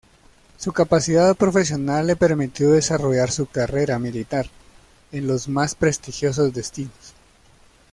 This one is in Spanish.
Su capacidad profesional le permitió desarrollar su carrera militar en los más prestigiosos destinos.